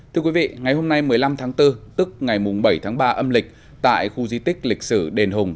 thưa quý vị ngày hôm nay một mươi năm tháng bốn tức ngày bảy tháng ba âm lịch tại khu di tích lịch sử đền hùng